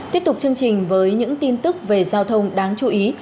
tiếp tục chương trình với những tin tức về giao thông đáng chú ý